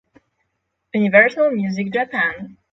Universal Music Japan